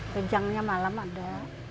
kejangnya malam ada